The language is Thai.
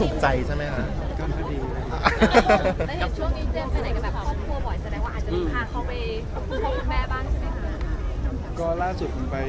ครับก็เรียกได้